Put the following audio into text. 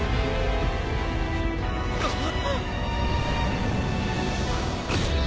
あっ！